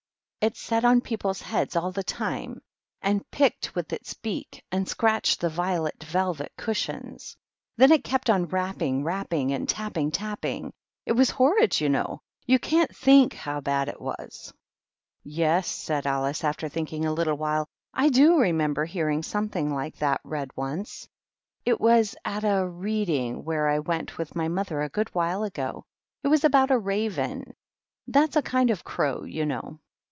It sat on people's heads all the time, and picked with its beak, and scratched the violet velvet cushions. Then it kept on rapping, rapping, and tapping, tapping. It was horrid, you know. You can't think how bad it was." " Yes," said Alice, after thinking a little while ; "I do remember hearing something like that read THE MOCK TURTLE. once. It was at a ' Reading where I went with my mother a good while ago. It was about a Raven. That's a kind of a crow, you know."